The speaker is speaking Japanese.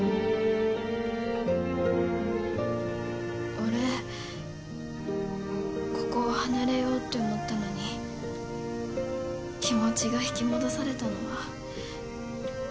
俺ここを離れようって思ったのに気持ちが引き戻されたのは。